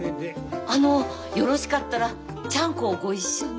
あのよろしかったらちゃんこをご一緒に。